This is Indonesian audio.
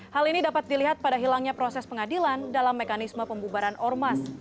hal ini dapat dilihat pada hilangnya proses pengadilan dalam mekanisme pembubaran ormas